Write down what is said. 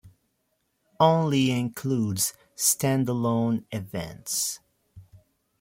Only includes standalone events.